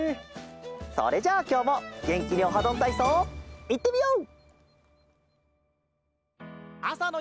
それじゃあきょうもげんきに「オハどんたいそう」いってみよう！